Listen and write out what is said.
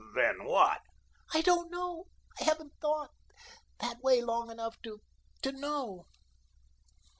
"Then what?" "I don't know I haven't thought that way long enough to know."